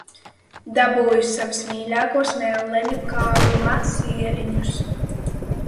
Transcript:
Dabūju savus mīļākos melleņu kāruma sieriņus.